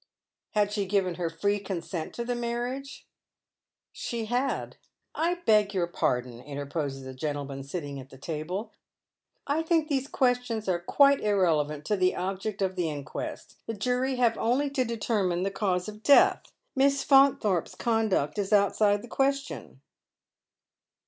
*' Had she given her fi ee consent to the marriage ?"« She had." " I beg your pardon," interposes a gentleman sitting at the table. " I think these questions are quite irrelevant to the object of the inquest. The jury have only to determine the cause of death. Mjss Faunthorpe's conduct is outside the question."